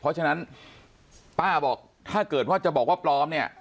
เพราะฉะนั้นป้าบอกถ้าเกิดว่าจะบอกว่าปลอมเนี่ย